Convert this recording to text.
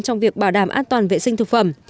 trong việc bảo đảm an toàn vệ sinh thực phẩm